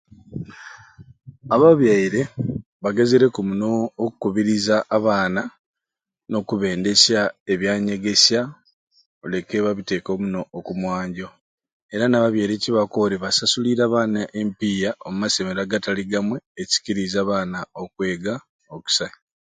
Ababyaire bagezereku muno okukubiriza abaana nokubendesya ebyanyegesya leke babiteke omunoo okumwanjo, era nababyaire kibakore nikwo okusasulira abaana empiya omumasomero agatali gamwei ekisikirize abaana okweega okusai.